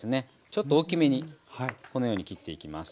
ちょっと大きめにこのように切っていきます。